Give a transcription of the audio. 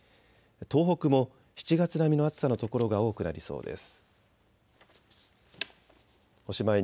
東北も７月並みの暑さの所が多くなりそうです。